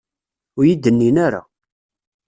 Ur iyi-d-nnin ara.